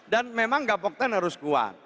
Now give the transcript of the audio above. dan memang gapokten harus kuat